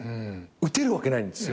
打てるわけないんですよ。